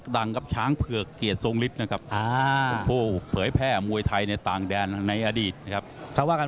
ดังครับรอบกามั่น